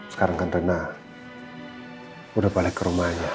sekarang kan rena udah balik ke rumahnya